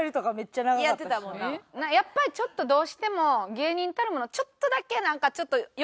やっぱりちょっとどうしても芸人たるものちょっとだけなんかちょっと欲張りが出たのかも。